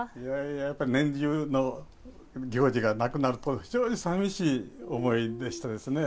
やっぱり年中の行事がなくなると、非常にさみしい思いでしたですね。